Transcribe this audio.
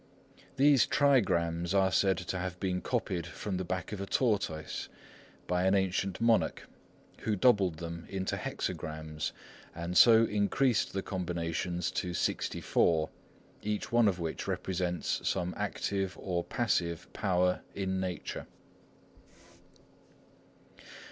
etc. These trigrams are said to have been copied from the back of a tortoise by an ancient monarch, who doubled them into hexagrams, and so increased the combinations to sixty four, each one of which represents some active or passive power in nature.